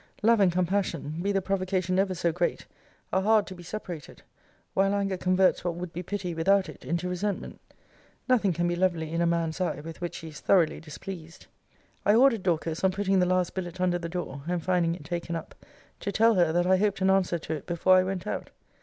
Love and compassion, be the provocation ever so great, are hard to be separated: while anger converts what would be pity, without it, into resentment. Nothing can be lovely in a man's eye with which he is thoroughly displeased. I ordered Dorcas, on putting the last billet under the door, and finding it taken up, to tell her, that I hoped an answer to it before I went out.